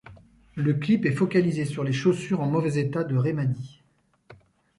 Le clip est focalisé sur les chaussures en mauvais état de Remady.